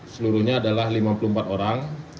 seluruhnya adalah lima puluh empat orang